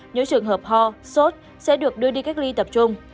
những trường hợp ho sốt sẽ được đưa đi cách ly tập trung